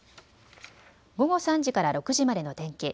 午後３時から６時までの天気。